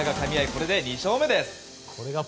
これで２勝目です。